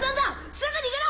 すぐ逃げろ！